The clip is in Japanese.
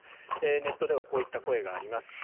ネットではこういった声があります。